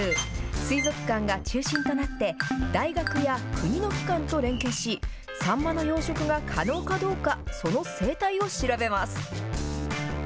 水族館が中心となって、大学や国の機関と連携し、サンマの養殖が可能かどうか、その生態を調べます。